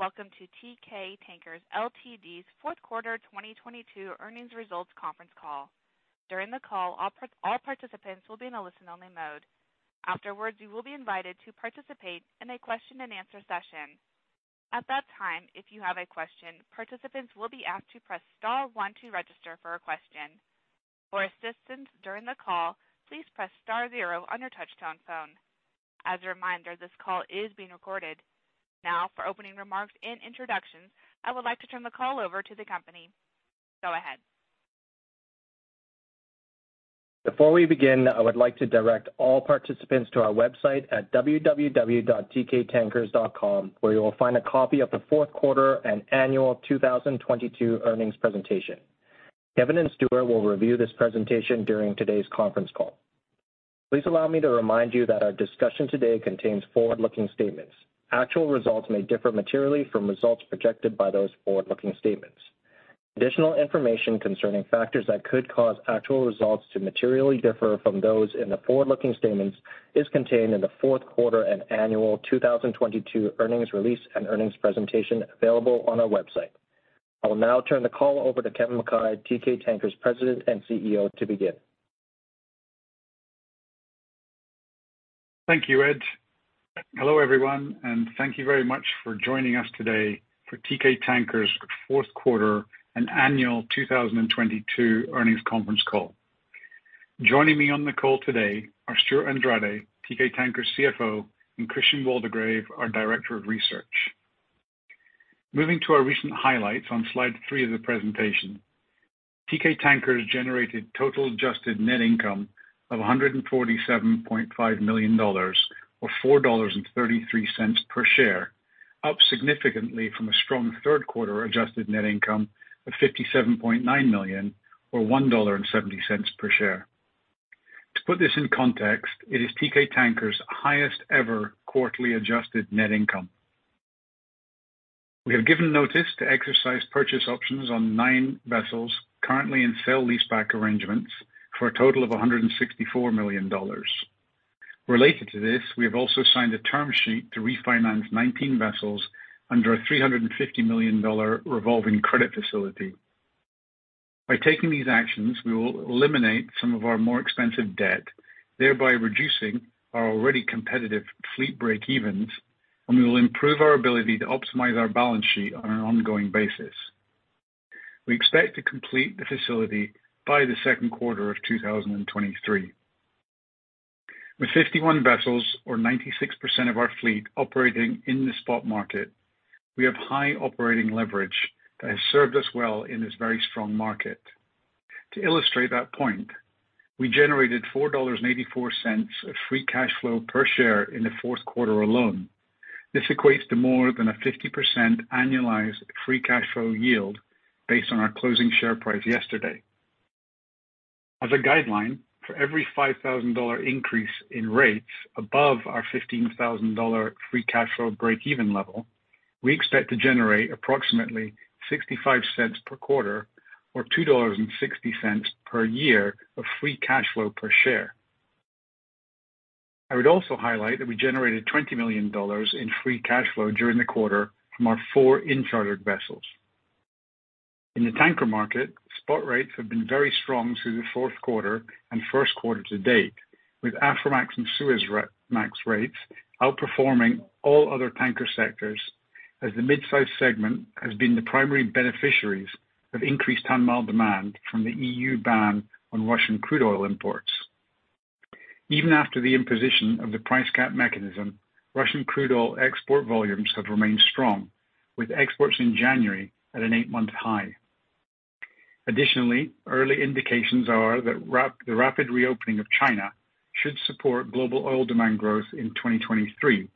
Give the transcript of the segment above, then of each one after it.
Welcome to Teekay Tankers Ltd.'s fourth quarter 2022 earnings results conference call. During the call, all participants will be in a listen-only mode. Afterwards, you will be invited to participate in a question-and-answer session. At that time, if you have a question, participants will be asked to press star one to register for a question. For assistance during the call, please press star zero on your touch-tone phone. As a reminder, this call is being recorded. Now, for opening remarks and introductions, I would like to turn the call over to the company. Go ahead. Before we begin, I would like to direct all participants to our website at www.teekaytankers.com, where you will find a copy of the fourth quarter and annual 2022 earnings presentation. Kevin and Stewart will review this presentation during today's conference call. Please allow me to remind you that our discussion today contains forward-looking statements. Actual results may differ materially from results projected by those forward-looking statements. Additional information concerning factors that could cause actual results to materially differ from those in the forward-looking statements is contained in the fourth quarter and annual 2022 earnings release and earnings presentation available on our website. I will now turn the call over to Kevin Mackay, Teekay Tankers President and CEO, to begin. Thank you, Ed. Hello, everyone, and thank you very much for joining us today for Teekay Tankers' fourth quarter and annual 2022 earnings conference call. Joining me on the call today are Stewart Andrade, Teekay Tankers CFO, and Christian Waldegrave, our Director of Research. Moving to our recent highlights on slide three of the presentation. Teekay Tankers generated total adjusted net income of $147.5 million or $4.33 per share, up significantly from a strong third quarter adjusted net income of $57.9 million or $1.70 per share. To put this in context, it is Teekay Tankers' highest-ever quarterly adjusted net income. We have given notice to exercise purchase options on 9 vessels currently in sale-leaseback arrangements for a total of $164 million. Related to this, we have also signed a term sheet to refinance 19 vessels under a $350 million revolving credit facility. By taking these actions, we will eliminate some of our more expensive debt, thereby reducing our already competitive fleet breakeven, and we will improve our ability to optimize our balance sheet on an ongoing basis. We expect to complete the facility by the second quarter of 2023. With 51 vessels or 96% of our fleet operating in the spot market, we have high operating leverage that has served us well in this very strong market. To illustrate that point, we generated $4.84 of free cash flow per share in the fourth quarter alone. This equates to more than a 50% annualized free cash flow yield based on our closing share price yesterday. As a guideline, for every $5,000 increase in rates above our $15,000 free cash flow breakeven level, we expect to generate approximately $0.65 per quarter or $2.60 per year of free cash flow per share. I would also highlight that we generated $20 million in free cash flow during the quarter from our four chartered vessels. In the tanker market, spot rates have been very strong through the fourth quarter and first quarter to date, with Aframax and Suezmax rates outperforming all other tanker sectors as the midsize segment has been the primary beneficiary of increased ton-mile demand from the EU ban on Russian crude oil imports. Even after the imposition of the price cap mechanism, Russian crude oil export volumes have remained strong, with exports in January at an eight-month high. Early indications are that the rapid reopening of China should support global oil demand growth in 2023,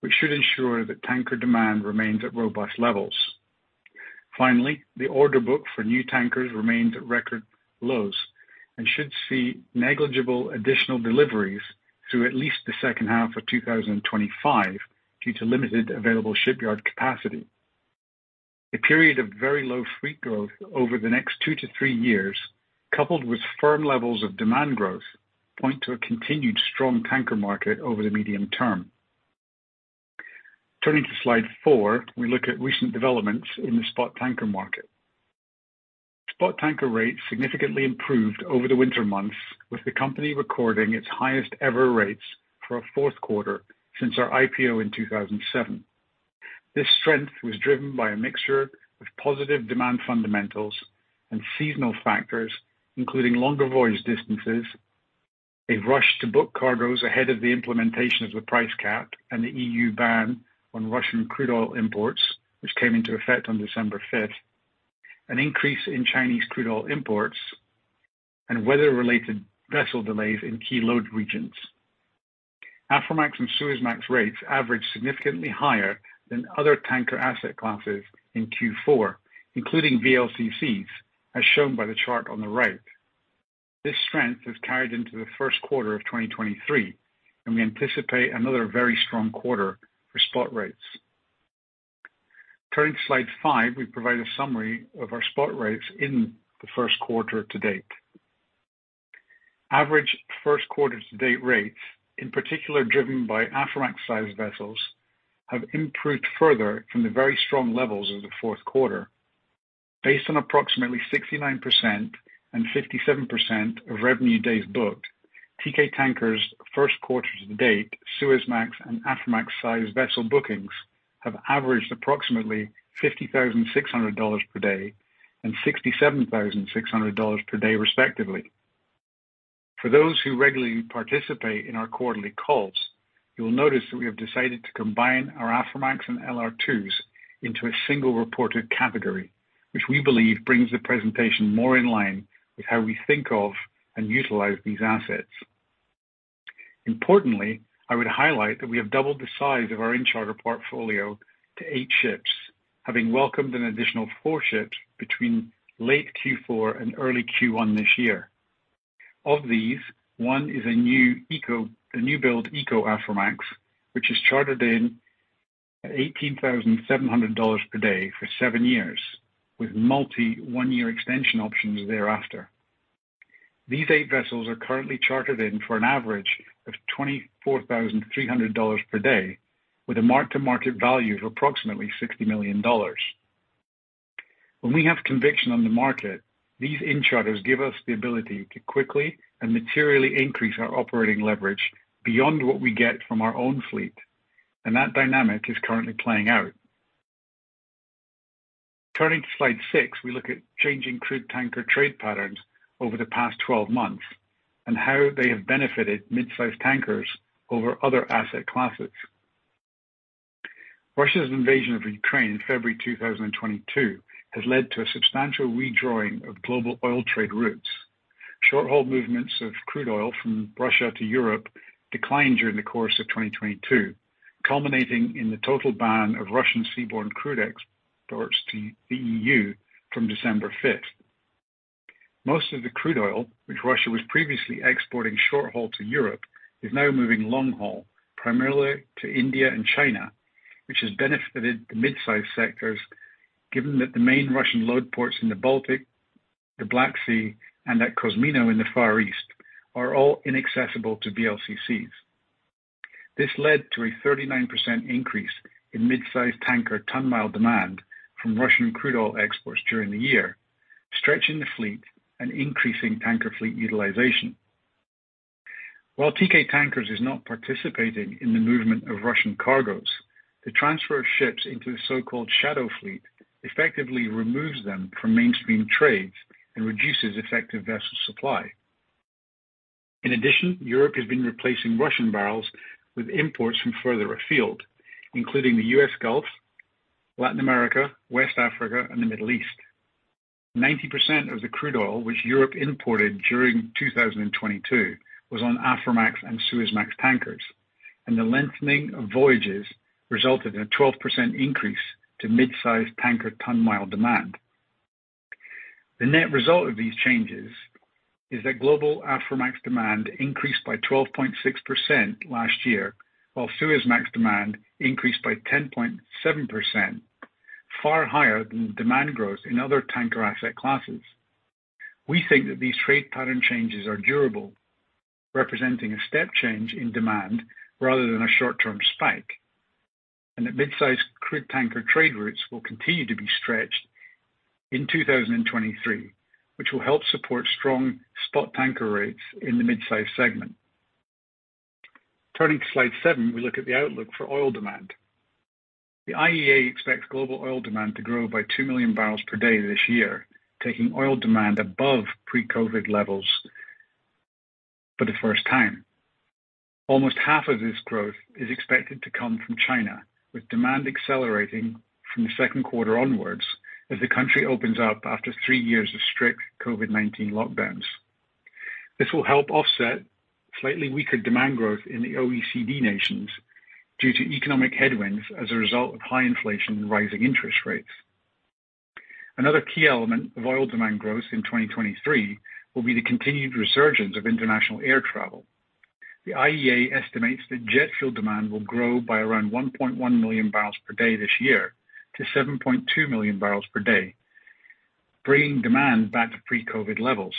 which should ensure that tanker demand remains at robust levels. The order book for new tankers remains at record lows and should see negligible additional deliveries through at least the second half of 2025 due to limited available shipyard capacity. A period of very low freight growth over the next two to three years, coupled with firm levels of demand growth, points to a continued strong tanker market over the medium term. Turning to slide four, we look at recent developments in the spot tanker market. Spot tanker rates significantly improved over the winter months, with the company recording its highest ever rates for a fourth quarter since our IPO in 2007. This strength was driven by a mixture of positive demand fundamentals and seasonal factors, including longer voyage distances, a rush to book cargoes ahead of the implementation of the price cap and the EU ban on Russian crude oil imports, which came into effect on December fifth, an increase in Chinese crude oil imports, and weather-related vessel delays in key load regions. Aframax and Suezmax rates averaged significantly higher than other tanker asset classes in Q4, including VLCCs, as shown by the chart on the right. This strength has carried into the first quarter of 2023. We anticipate another very strong quarter for spot rates. Turning to slide five, we provide a summary of our spot rates in the first quarter to date. Average first quarter to date rates, in particular driven by Aframax size vessels, have improved further from the very strong levels of the fourth quarter. Based on approximately 69% and 57% of revenue days booked, Teekay Tankers first quarter to date, Suezmax and Aframax size vessel bookings have averaged approximately $50,600 per day and $67,600 per day respectively, For those who regularly participate in our quarterly calls, you will notice that we have decided to combine our Aframax and LR2s into a single reported category, which we believe brings the presentation more in line with how we think of and utilize these assets. Importantly, I would highlight that we have doubled the size of our in-charter portfolio to eight ships, having welcomed an additional four ships between late Q4 and early Q1 this year. Of these, one is a newbuild eco Aframax, which is chartered in at $18,700 per day for seven years, with multi-one-year extension options thereafter. These 8 vessels are currently chartered in for an average of $24,300 per day with a mark-to-market value of approximately $60 million. When we have conviction on the market, these in-charters give us the ability to quickly and materially increase our operating leverage beyond what we get from our own fleet; that dynamic is currently playing out. Turning to slide six, we look at changing crude tanker trade patterns over the past 12 months and how they have benefited mid-size tankers over other asset classes. Russia's invasion of Ukraine in February 2022 has led to a substantial redrawing of global oil trade routes. Shorthaul movements of crude oil from Russia to Europe declined during the course of 2022, culminating in the total ban of Russian seaborne crude exports to the EU from December 5th. Most of the crude oil, which Russia was previously exporting short-haul to Europe, is now moving long-haul, primarily to India and China, which has benefited the mid-size sectors, given that the main Russian load ports in the Baltic, the Black Sea, and at Kozmino in the Far East are all inaccessible to VLCCs. This led to a 39% increase in mid-size tanker ton-mile demand from Russian crude oil exports during the year, stretching the fleet and increasing tanker fleet utilization. While Teekay Tankers is not participating in the movement of Russian cargoes, the transfer of ships into the so-called shadow fleet effectively removes them from mainstream trades and reduces effective vessel supply. In addition, Europe has been replacing Russian barrels with imports from further afield, including the US Gulf, Latin America, West Africa, and the Middle East. 90% of the crude oil which Europe imported during 2022 was on Aframax and Suezmax tankers, and the lengthening of voyages resulted in a 12% increase in mid-size tanker ton-mile demand. The net result of these changes is that global Aframax demand increased by 12.6% last year, while Suezmax demand increased by 10.7%, far higher than demand growth in other tanker asset classes. We think that these trade pattern changes are durable, representing a step change in demand rather than a short-term spike, and that mid-size crude tanker trade routes will continue to be stretched in 2023, which will help support strong spot tanker rates in the mid-size segment. Turning to slide seven, we look at the outlook for oil demand. The IEA expects global oil demand to grow by 2 million bbl per day this year, taking oil demand above pre-COVID levels for the first time. Almost half of this growth is expected to come from China, with demand accelerating from the second quarter onwards as the country opens up after three years of strict COVID-19 lockdowns. This will help offset slightly weaker demand growth in the OECD nations due to economic headwinds as a result of high inflation and rising interest rates. Another key element of oil demand growth in 2023 will be the continued resurgence of international air travel. The IEA estimates that jet fuel demand will grow by around 1.1 million bbl per day this year to 7.2 million bbl per day, bringing demand back to pre-COVID levels.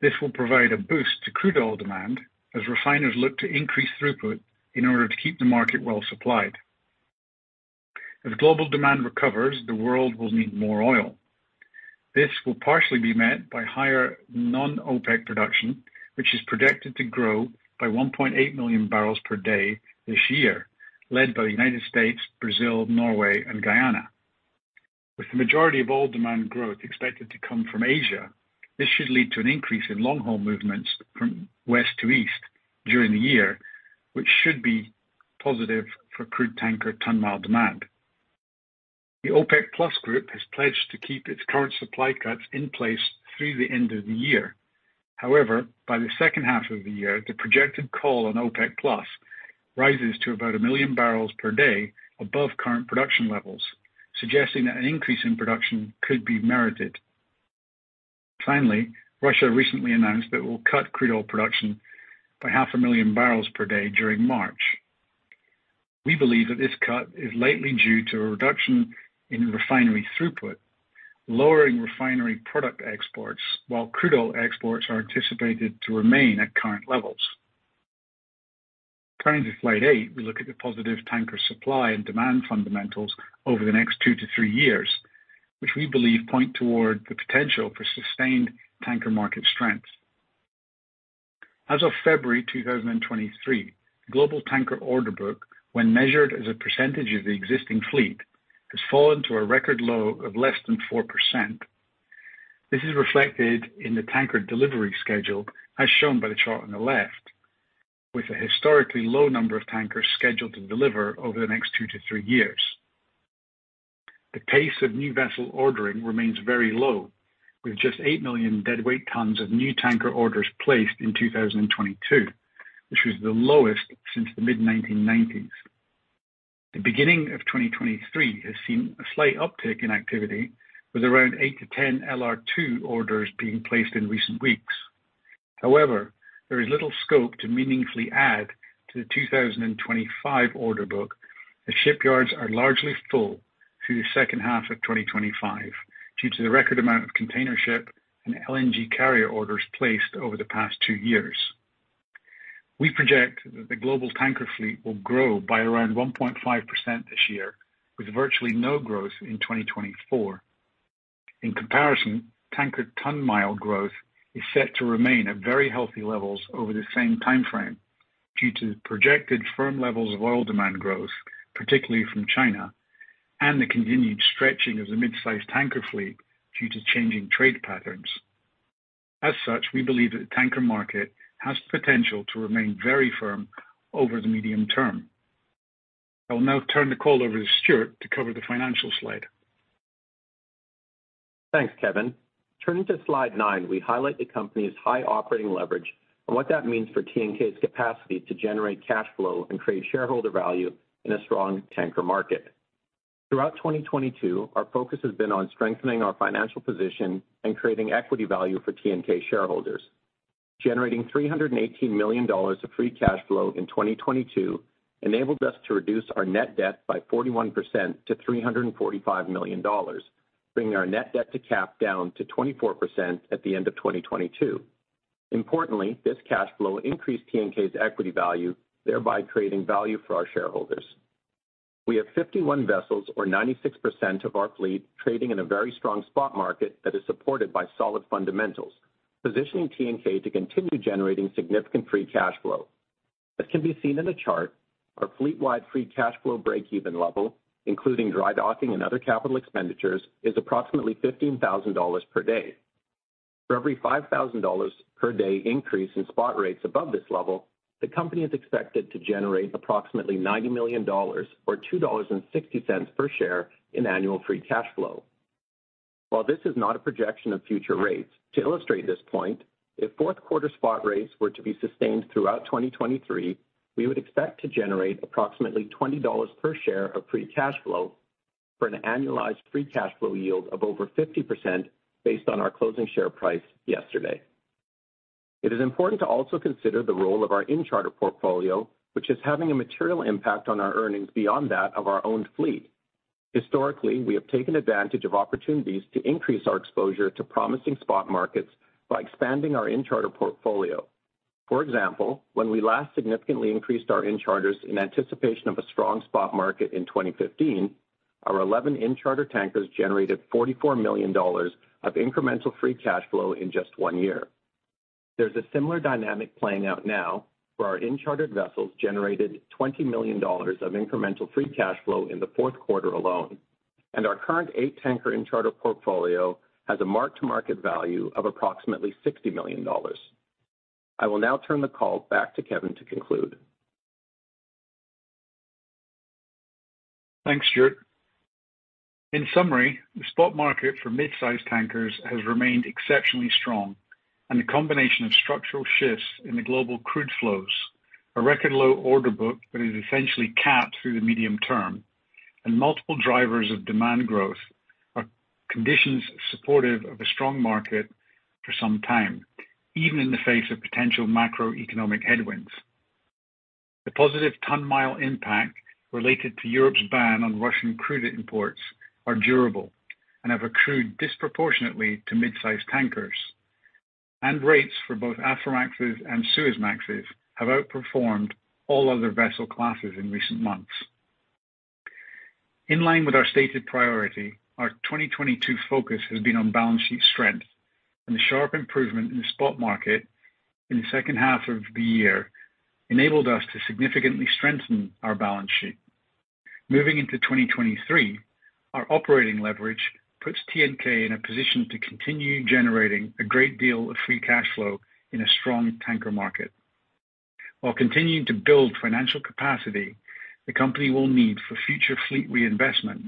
This will provide a boost to crude oil demand as refiners look to increase throughput in order to keep the market well supplied. As global demand recovers, the world will need more oil. This will partially be met by higher non-OPEC production, which is predicted to grow by 1.8 million barrels per day this year, led by the United States, Brazil, Norway, and Guyana. With the majority of oil demand growth expected to come from Asia, this should lead to an increase in long-haul movements from west to east during the year, which should be positive for crude tanker ton-mile demand. The OPEC+ group has pledged to keep its current supply cuts in place through the end of the year. By the second half of the year, the projected call on OPEC+ rises to about 1 million bbl per day above current production levels, suggesting that an increase in production could be merited. Russia recently announced that it will cut crude oil production by 0.5 million barrels per day during March. We believe that this cut is likely due to a reduction in refinery throughput, lowering refinery product exports, while crude oil exports are anticipated to remain at current levels. Turning to slide eight, we look at the positive tanker supply and demand fundamentals over the next two to three years, which we believe point toward the potential for sustained tanker market strength. As of February 2023, the global tanker order book, when measured as a percentage of the existing fleet, has fallen to a record low of less than 4%. This is reflected in the tanker delivery schedule, as shown by the chart on the left, with a historically low number of tankers scheduled to deliver over the next two to three years. The pace of new vessel ordering remains very low, with just 8 million deadweight tons of new tanker orders placed in 2022, which was the lowest since the mid-1990s. The beginning of 2023 has seen a slight uptick in activity, with around 8 to 10 LR2 orders being placed in recent weeks. There is little scope to meaningfully add to the 2025 order book, as shipyards are largely full through the second half of 2025 due to the record amount of container ship and LNG carrier orders placed over the past two years. We project that the global tanker fleet will grow by around 1.5% this year, with virtually no growth in 2024. In comparison, tanker ton-mile growth is set to remain at very healthy levels over the same time frame due to the projected firm levels of oil demand growth, particularly from China, and the continued stretching of the mid-sized tanker fleet due to changing trade patterns. We believe that the tanker market has the potential to remain very firm over the medium term. I will now turn the call over to Stewart to cover the financial slide. Thanks, Kevin. Turning to slide nine, we highlight the company's high operating leverage and what that means for TNK's capacity to generate cash flow and create shareholder value in a strong tanker market. Throughout 2022, our focus has been on strengthening our financial position and creating equity value for TNK shareholders. Generating $318 million of free cash flow in 2022 enabled us to reduce our net debt by 41% to $345 million, bringing our net debt to cap down to 24% at the end of 2022. Importantly, this cash flow increased TNK's equity value, thereby creating value for our shareholders. We have 51 vessels or 96% of our fleet trading in a very strong spot market that is supported by solid fundamentals, positioning TNK to continue generating significant free cash flow. As can be seen in the chart, our fleet-wide free cash flow breakeven level, including dry docking and other capital expenditures, is approximately $15,000 per day. For every $5,000 per day increase in spot rates above this level, the company is expected to generate approximately $90 million or $2.60 per share in annual free cash flow. While this is not a projection of future rates, to illustrate this point, if fourth quarter spot rates were to be sustained throughout 2023, we would expect to generate approximately $20 per share of free cash flow for an annualized free cash flow yield of over 50% based on our closing share price yesterday. It is also important to consider the role of our in-charter portfolio, which is having a material impact on our earnings beyond that of our own fleet. Historically, we have taken advantage of opportunities to increase our exposure to promising spot markets by expanding our in-charter portfolio. For example, when we last significantly increased our in-charters in anticipation of a strong spot market in 2015, our 11 in-charter tankers generated $44 million of incremental free cash flow in just one year. There's a similar dynamic playing out now for our in-chartered vessels, generated $20 million of incremental free cash flow in the fourth quarter alone, and our current 8-tanker in-charter portfolio has a mark-to-market value of approximately $60 million. I will now turn the call back to Kevin to conclude. Thanks, Stewart. In summary, the spot market for mid-size tankers has remained exceptionally strong. The combination of structural shifts in the global crude flows, a record low order book that is essentially capped through the medium term, and multiple drivers of demand growth is a condition supportive of a strong market for some time, even in the face of potential macroeconomic headwinds. The positive ton-mile impact related to Europe's ban on Russian crude imports is durable and has accrued disproportionately to mid-size tankers. Rates for both Aframaxes and Suezmaxes have outperformed all other vessel classes in recent months. In line with our stated priority, our 2022 focus has been on balance sheet strength, and the sharp improvement in the spot market in the second half of the year enabled us to significantly strengthen our balance sheet. Moving into 2023, our operating leverage puts TNK in a position to continue generating a great deal of free cash flow in a strong tanker market. While continuing to build financial capacity, the company will need for future fleet reinvestment,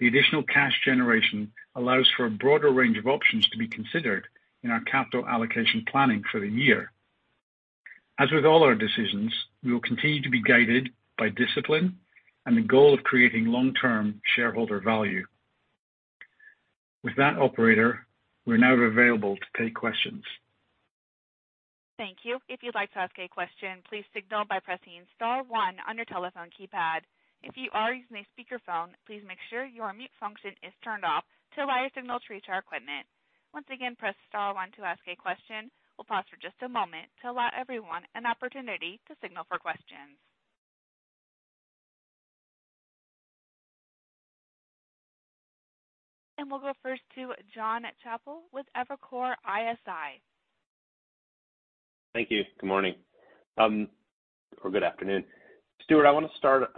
the additional cash generation allows for a broader range of options to be considered in our capital allocation planning for the year. As with all our decisions, we will continue to be guided by discipline and the goal of creating long-term shareholder value. With that operator, we're now available to take questions. Thank you. If you'd like to ask a question, please signal by pressing star one on your telephone keypad. If you are using a speakerphone, please make sure your mute function is turned off to allow your signal to reach our equipment. Once again, press star one to ask a question. We'll pause for just a moment to allow everyone an opportunity to signal for questions. We'll go first to Jonathan Chappell with Evercore ISI. Thank you. Good morning, or good afternoon. Stewart, I wanna start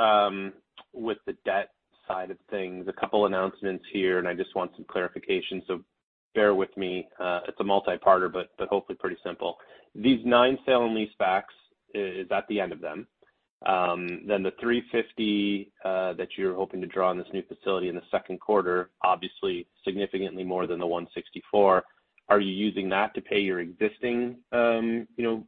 with the debt side of things. A couple announcements here, and I just want some clarification, so bear with me. It's a multi-parter, but hopefully pretty simple. These 9 sale and lease backs is at the end of them. The $350 million that you're hoping to draw on this new facility in the second quarter, obviously significantly more than the $164 million. Are you using that to pay your existing, you know,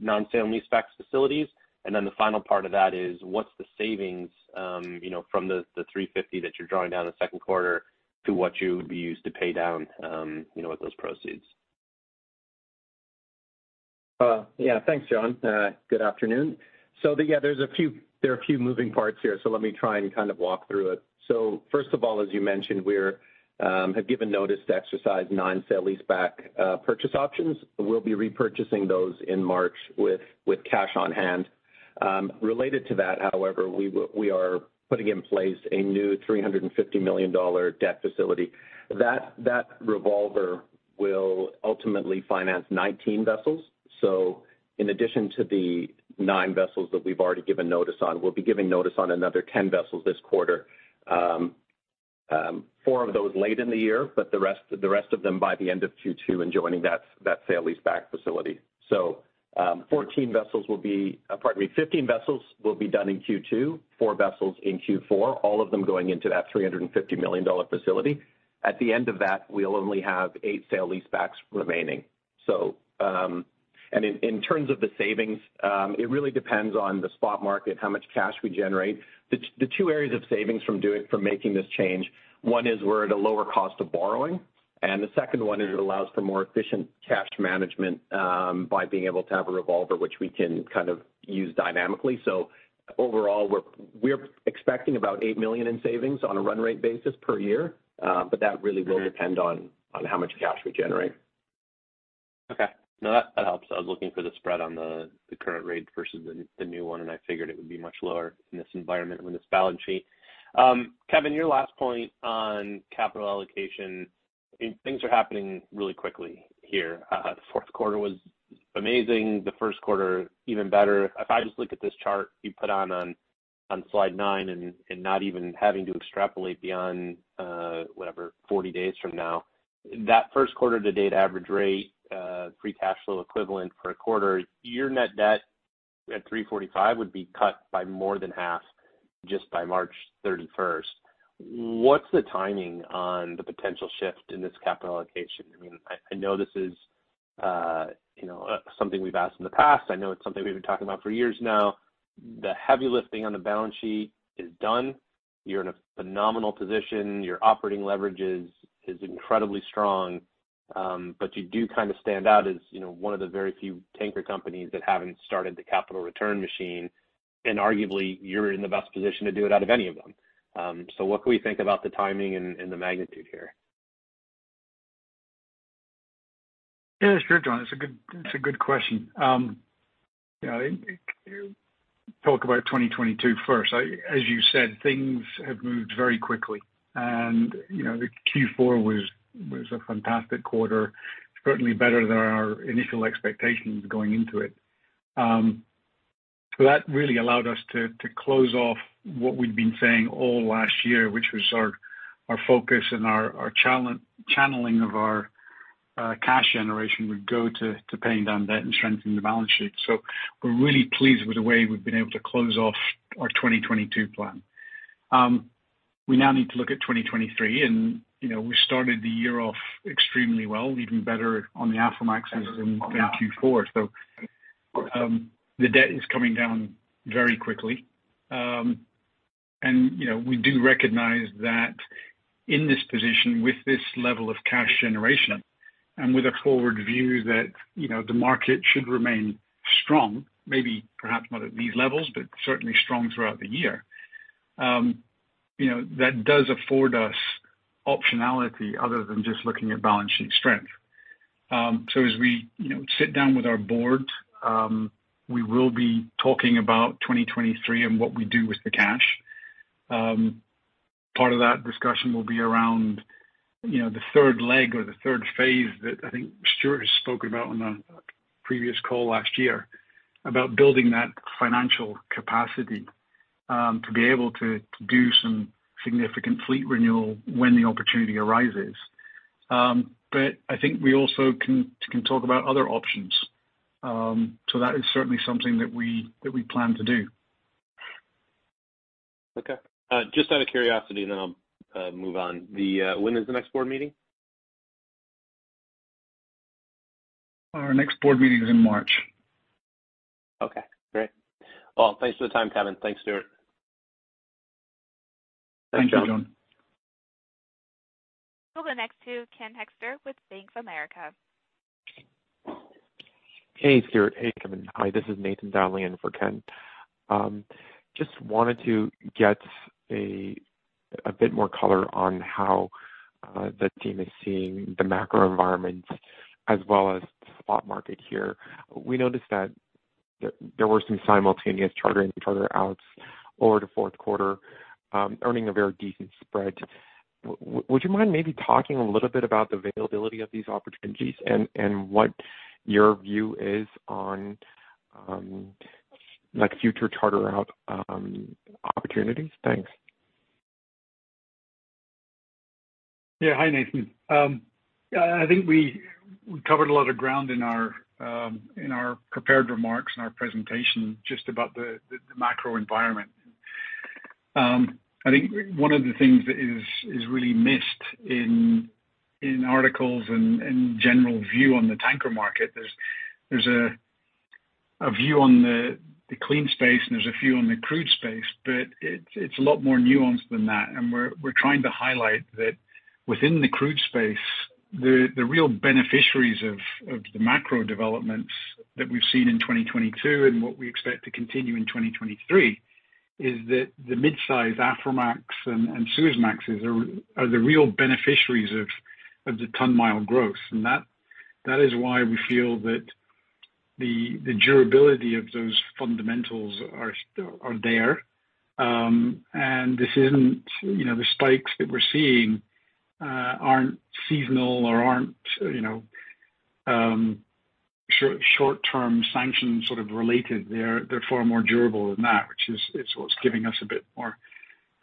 non-sale lease backs facilities? The final part of that is what's the savings, you know, from the $350 million that you're drawing down in the second quarter to what you would use to pay down, you know, with those proceeds? Yeah. Thanks, John. Good afternoon. Yeah, there are a few moving parts here, so let me try and kind of walk through it. First of all, as you mentioned, we have given notice to exercise nine sale leaseback purchase options. We'll be repurchasing those in March with cash on hand. Related to that, however, we are putting in place a new $350 million debt facility. That revolver will ultimately finance 19 vessels. In addition to the nine vessels that we've already given notice on, we'll be giving notice on another 10 vessels this quarter. Four of those late in the year, but the rest of them by the end of Q2 and joining that sale leaseback facility. Pardon me, 15 vessels will be done in Q2, 4 vessels in Q4, all of them going into that $350 million facility. At the end of that, we'll only have 8 sale leasebacks remaining. In terms of the savings, it really depends on the spot market, how much cash we generate. The two areas of savings from making this change, one is we're at a lower cost of borrowing, and the second one is it allows for more efficient cash management by being able to have a revolver which we can kind of use dynamically. Overall, we're expecting about $8 million in savings on a run rate basis per year, but that really will depend on how much cash we generate. Okay. No, that helps. I was looking for the spread on the current rate versus the new one. I figured it would be much lower in this environment with this balance sheet. Kevin, your last point on capital allocation, things are happening really quickly here. The fourth quarter was amazing, the first quarter even better. If I just look at this chart you put on slide 9, not even having to extrapolate beyond, whatever, 40 days from now, that first quarter to date average rate, free cash flow equivalent for a quarter, your net debt at $345 million would be cut by more than half just by March 31st. What's the timing on the potential shift in this capital allocation? I mean, I know this is, you know, something we've asked in the past. I know it's something we've been talking about for years now. The heavy lifting on the balance sheet is done. You're in a phenomenal position. Your operating leverages is incredibly strong. You do kind of stand out as, you know, one of the very few tanker companies that haven't started the capital return machine, and arguably you're in the best position to do it out of any of them. What can we think about the timing and the magnitude here? Yeah, sure, John. It's a good question. You know, talk about 2022 first. As you said, things have moved very quickly. You know, the Q4 was a fantastic quarter, certainly better than our initial expectations going into it. That really allowed us to close off what we'd been saying all last year, which was our focus and our channeling of our cash generation would go to paying down debt and strengthening the balance sheet. We're really pleased with the way we've been able to close off our 2022 plan. We now need to look at 2023 and, you know, we started the year off extremely well, even better on the Aframaxes than Q4. The debt is coming down very quickly. You know, we do recognize that in this position, with this level of cash generation and with a forward view that, you know, the market should remain strong, maybe perhaps not at these levels, but certainly strong throughout the year, you know, that does afford us optionality other than just looking at balance sheet strength. As you know, we sit down with our board, and we will be talking about 2023 and what we do with the cash. Part of that discussion will be around, you know, the third leg or the third phase that I think Stuart has spoken about on a previous call last year, about building that financial capacity, to be able to do some significant fleet renewal when the opportunity arises. I think we can also talk about other options. That is certainly something that we plan to do. Okay. Just out of curiosity, and then I'll move on. When is the next board meeting? Our next board meeting is in March. Okay, great. Well, thanks for the time, Kevin. Thanks, Stewart. Thanks, John. We'll go next to Ken Hoexter with Bank of America. Hey, Stewart. Hey, Kevin. Hi, this is Nathan Donnelly in for Ken. Just wanted to get a bit more color on how the team is seeing the macro environment as well as the spot market here. We noticed that there were some simultaneous charters in; charter outs over the fourth quarter, earning a very decent spread. Would you mind maybe talking a little bit about the availability of these opportunities and what your view is on like, future charter-out opportunities? Thanks. Yeah. Hi, Nathan. Yeah, I think we covered a lot of ground in our prepared remarks and our presentation just about the macro environment. I think one of the things that is really missed in articles and general view on the tanker market, there's a view on the clean space and there's a view on the crude space, but it's a lot more nuanced than that. We're trying to highlight that within the crude space, the real beneficiaries of the macro developments that we've seen in 2022 and what we expect to continue in 2023 is that the mid-size Aframax and Suezmaxes are the real beneficiaries of the ton-mile growth. That is why we feel that the durability of those fundamentals are there. This isn't, you know, the spikes that we're seeing, aren't seasonal or aren't, you know, short-term sanctions sort of related. They're far more durable than that which is what's giving us a bit more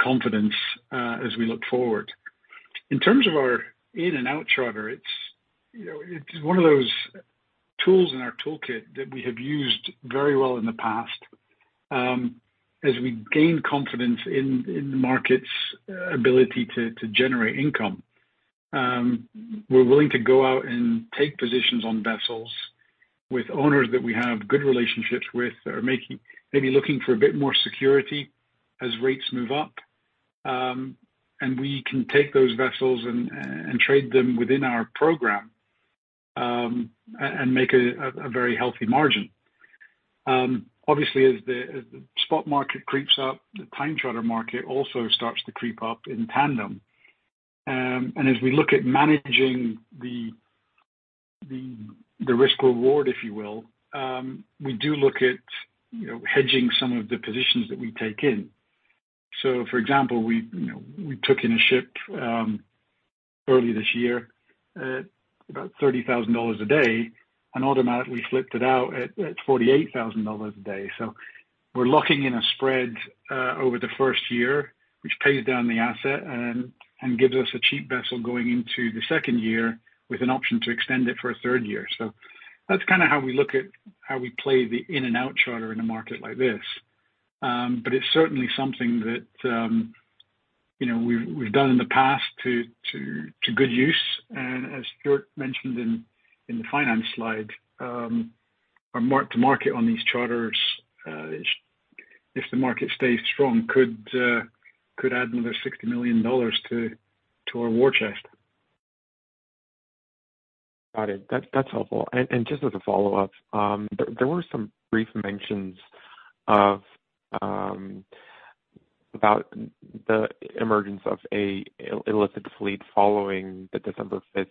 confidence as we look forward. In terms of our in and out charter, it's, you know, it's one of those tools in our toolkit that we have used very well in the past. As we gain confidence in the market's ability to generate income, we're willing to go out and take positions on vessels with owners that we have good relationships with that are maybe looking for a bit more security as rates move up. We can take those vessels and trade them within our program and make a very healthy margin. Obviously, as the spot market creeps up, the time charter market also starts to creep up in tandem. As we look at managing the risk reward, if you will, we do look at, you know, hedging some of the positions that we take in. For example, we, you know, took in a ship early this year at about $30,000 a day and automatically flipped it out at $48,000 a day. We're locking in a spread over the first year, which pays down the asset and gives us a cheap vessel going into the second year with an option to extend it for a third year. That's kinda how we look at how we play the in and out charter in a market like this. It's certainly something that, you know, we've done in the past to good use. As Stewart mentioned in the finance slide, our mark-to-market on these charters, if the market stays strong, could add another $60 million to our war chest. Got it. That's, that's helpful. Just as a follow-up, there were some brief mentions of about the emergence of a illicit fleet following the December fifth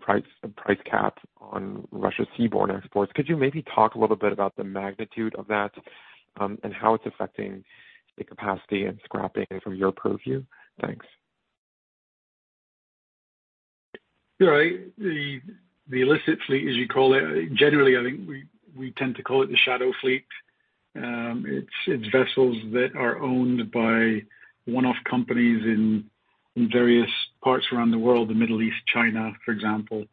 price cap on Russian seaborne exports. Could you maybe talk a little bit about the magnitude of that, and how it's affecting the capacity and scrapping from your purview? Thanks. Yeah. The illicit fleet, as you call it, generally, I think we tend to call it the shadow fleet. It's vessels that are owned by one-off companies in various parts around the world, the Middle East, China, for example.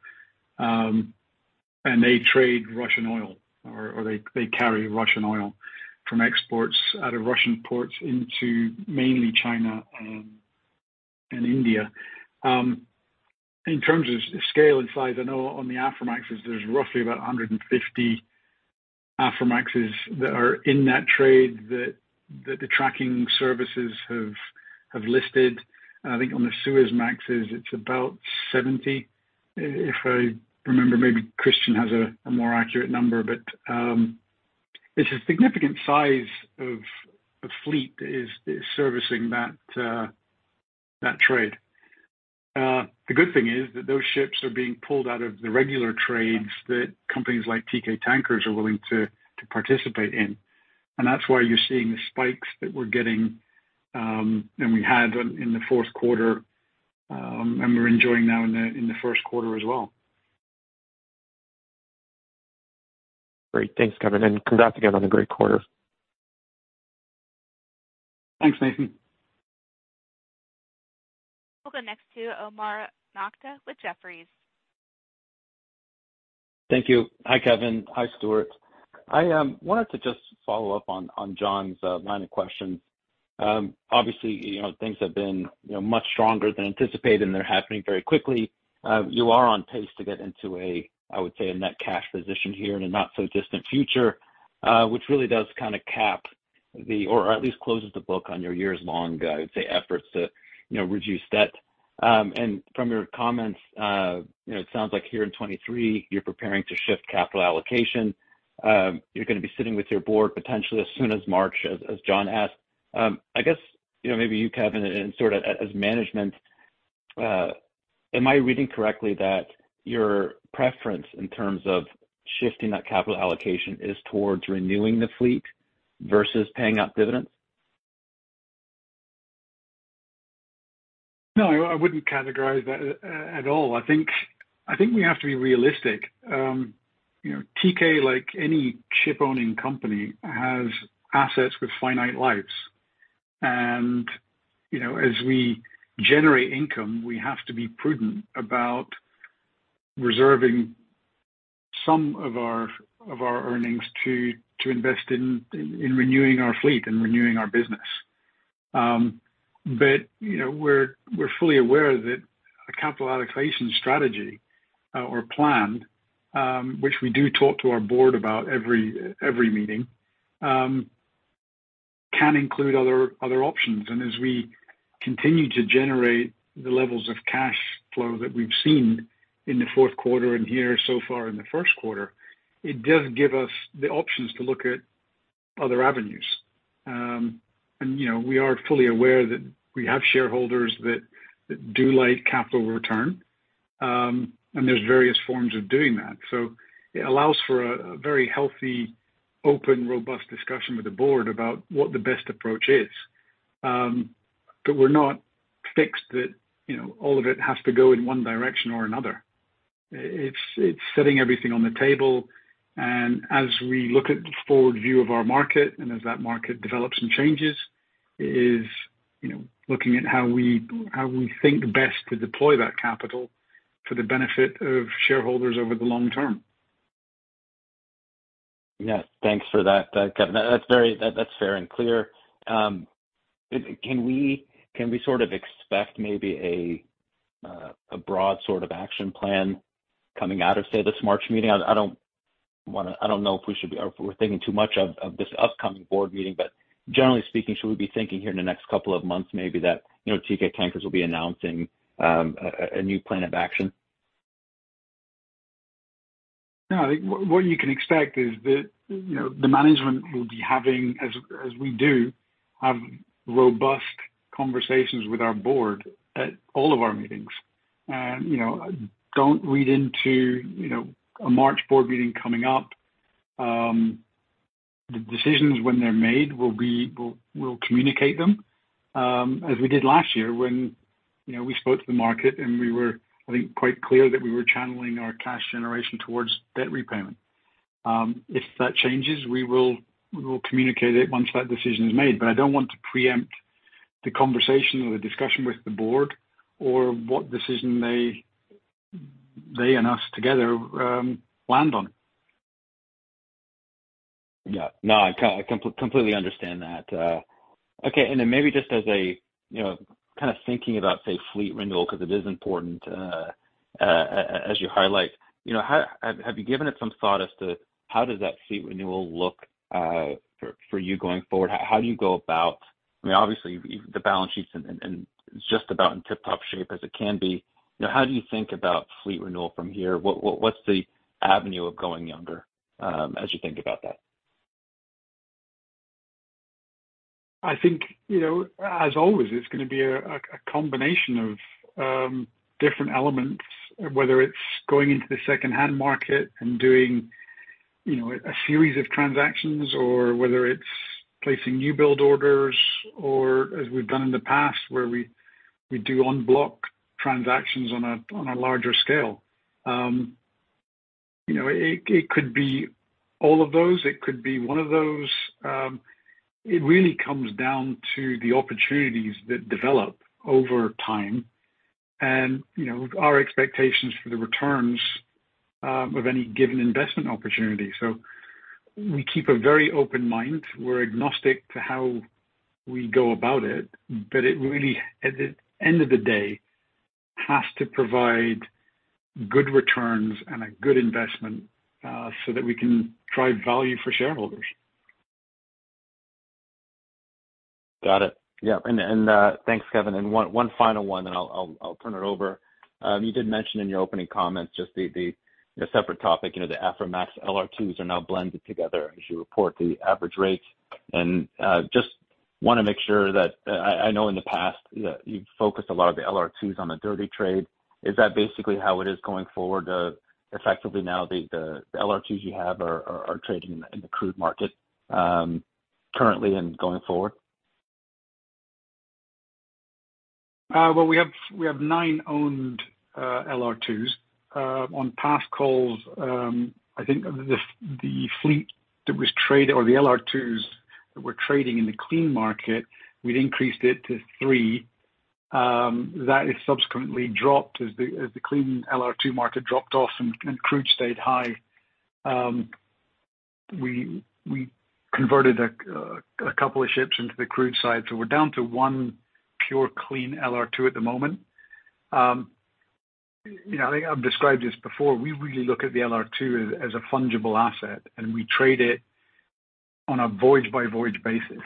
They trade Russian oil or they carry Russian oil from exports out of Russian ports into mainly China and India. In terms of scale and size, I know on the Aframaxes there's roughly about 150 Aframaxes that are in that trade that the tracking services have listed. I think on the Suezmaxes it's about 70, if I remember. Maybe Christian has a more accurate number. It's a significant size of a fleet that is servicing that trade. The good thing is that those ships are being pulled out of the regular trades that companies like Teekay Tankers are willing to participate in. That's why you're seeing the spikes that we're getting, and we had in the fourth quarter, and we're enjoying now in the, in the first quarter as well. Great. Thanks, Kevin, and congrats again on the great quarter. Thanks, Nathan. We'll go next to Omar Nokta with Jefferies. Thank you. Hi, Kevin. Hi, Stewart. I wanted to just follow up on John's line of questions. Obviously, you know, things have been, you know, much stronger than anticipated, and they're happening very quickly. You are on pace to get into a, I would say, a net cash position here in the not so distant future, which really does kinda cap the... or at least closes the book on your years-long, I would say, efforts to, you know, reduce debt. From your comments, you know, it sounds like here in 2023, you're preparing to shift capital allocation. You're gonna be sitting with your board potentially as soon as March, as John asked. I guess, you know, maybe you, Kevin, and sort of as management, am I reading correctly that your preference in terms of shifting that capital allocation is towards renewing the fleet versus paying out dividends? No, I wouldn't categorize that at all. I think we have to be realistic. You know, Teekay, like any ship owning company, has assets with finite lives. As we generate income, we have to be prudent about reserving some of our earnings to invest in renewing our fleet and renewing our business. But, you know, we're fully aware that a capital allocation strategy or plan, which we do talk to our Board about every meeting, can include other options. As we continue to generate the levels of cash flow that we've seen in the fourth quarter and here so far in the first quarter, it does give us the option to look at other avenues. You know, we are fully aware that we have shareholders who do like capital return, and there are various forms of doing that. It allows for a very healthy, open, robust discussion with the board about what the best approach is. We're not fixed that, you know, all of it has to go in one direction or another. It's setting everything on the table. As we look at the forward view of our market and as that market develops and changes, it is, you know, looking at how we think best to deploy that capital for the benefit of shareholders over the long term. Yes, thanks for that, Kevin. That's very... That's fair and clear. Can we sort of expect maybe a broad sort of action plan coming out of, say, this March meeting? I don't wanna... I don't know if we should be thinking too much of this upcoming board meeting. Generally speaking, should we be thinking here in the next couple of months, maybe that, you know, Teekay Tankers will be announcing a new plan of action? No, I think what you can expect is that, you know, the management will be having, as we do, have robust conversations with our board at all of our meetings. You know, don't read into, you know, a March board meeting coming up. The decisions, when they're made, will be, we'll communicate them, as we did last year when, you know, we spoke to the market and we were, I think, quite clear that we were channeling our cash generation towards debt repayment. If that changes, we will, we will communicate it once that decision is made. I don't want to preempt the conversation or the discussion with the board or what decision they and us together land on. Yeah. No, I completely understand that. Okay. Maybe just as a, you know, kind of thinking about, say, fleet renewal, 'cause it is important, as you highlight, you know, have you given it some thought as to how does that fleet renewal looks for you going forward? How do you go about... I mean, obviously, the balance sheet's in just about in tip-top shape as it can be. You know, how do you think about fleet renewal from here? What's the avenue of going younger, as you think about that? I think, you know, as always, it's gonna be a combination of different elements, whether it's going into the secondhand market and doing, you know, a series of transactions or whether it's placing new build orders or as we've done in the past where we do on bloc transactions on a larger scale. You know, it could be all of those. It could be one of those. It really comes down to the opportunities that develop over time and, you know, our expectations for the returns of any given investment opportunity. We keep a very open mind. We're agnostic to how we go about it, but it really, at the end of the day, has to provide good returns and a good investment so that we can drive value for shareholders. Got it. Yeah. Thanks, Kevin. One final one, then I'll turn it over. You did mention in your opening comments just the, you know, separate topic, you know, the Aframax LR2s are now blended together as you report the average rates. Just wanna make sure that I know in the past, you've focused a lot of the LR2s on the dirty trade. Is that basically how it is going forward, effectively now the LR2s you have are trading in the crude market currently and going forward? Well, we have nine owned LR2s. On past calls, I think the fleet that was traded or the LR2s that were trading in the clean market, we'd increased it to three. That has subsequently dropped as the clean LR2 market dropped off and crude stayed high. We converted a couple of ships into the crude side, so we're down to one pure clean LR2 at the moment. You know, I think I've described this before. We really look at the LR2 as a fungible asset, and we trade it on a voyage-by-voyage basis.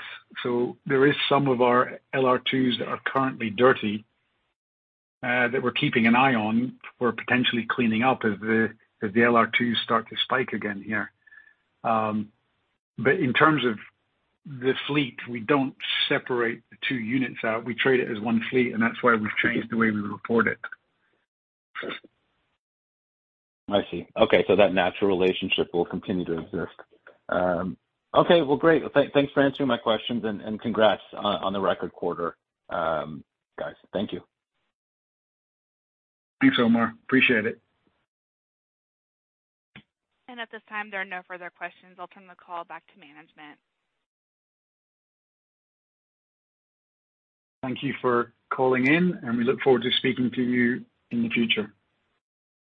There is some of our LR2s that are currently dirty that we're keeping an eye on for potentially cleaning up as the LR2s start to spike again here. In terms of the fleet, we don't separate the two units. We trade it as one fleet, and that's why we've changed the way we report it. I see. Okay. That natural relationship will continue to exist. Okay. Well, great. Thanks for answering my questions and congrats on the record quarter, guys. Thank you. Thanks, Omar. Appreciate it. At this time, there are no further questions. I'll turn the call back to management. Thank you for calling in, and we look forward to speaking to you in the future.